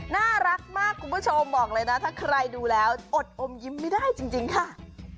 น่ารักมากคุณผู้ชมบอกเลยนะถ้าใครดูแล้วอดอมยิ้มไม่ได้จริงค่ะ